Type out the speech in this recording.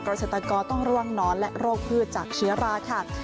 เกษตรกรต้องร่วงนอนและโรคพืชจากเชื้อราค่ะ